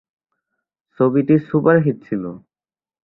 ছবিটি সুপারহিট ছিল।